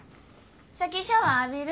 先シャワー浴びる？